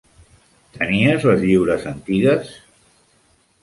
Tenies les lliures antigues?